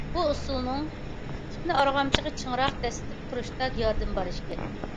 بۇ ئۇسۇلنىڭ پۇتنى ئارغامچىغا چىڭراق دەسسىتىپ تۇرۇشتا ياردىمى بار ئىكەن.